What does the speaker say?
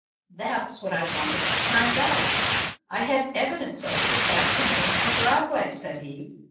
"That's what I wanted to find out. I had evidence of it this afternoon on Broadway," said he.